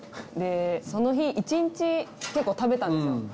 でその日一日結構食べたんですよ。